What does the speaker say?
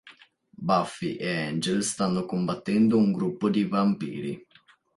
Buffy e Angel stanno combattendo un gruppo di vampiri.